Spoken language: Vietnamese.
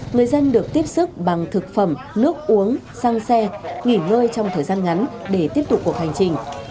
người dân được tiếp sức bằng thực phẩm nước uống xăng xe nghỉ ngơi trong thời gian ngắn để tiếp tục cuộc hành trình